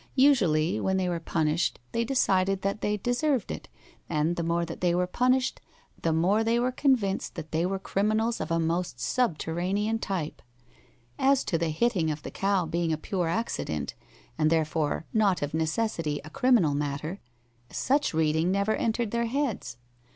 Usually when they were punished they decided that they deserved it, and the more they were punished the more they were convinced that they were criminals of a most subterranean type. As to the hitting of the cow being a pure accident, and therefore not of necessity a criminal matter, such reading never entered their heads.